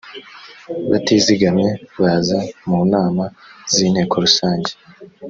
batizigamye baza mu nama z inteko rusange